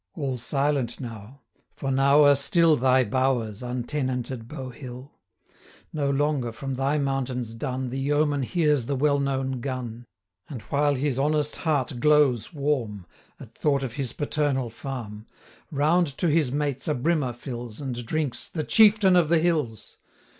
All silent now for now are still Thy bowers, untenanted Bowhill! No longer, from thy mountains dun, The yeoman hears the well known gun, 75 And while his honest heart glows warm, At thought of his paternal farm, Round to his mates a brimmer fills, And drinks, 'The Chieftain of the Hills!'